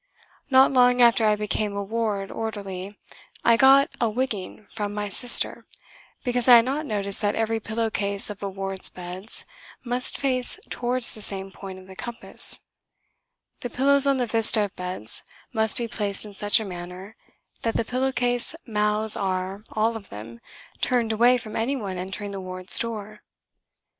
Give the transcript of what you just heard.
Not long after I became a ward orderly I got a wigging from my "Sister" because I had not noticed that every pillow case of a ward's beds must face towards the same point of the compass: the pillows on the vista of beds must be placed in such a manner that the pillow case mouths are, all of them, turned away from anyone entering the ward's door.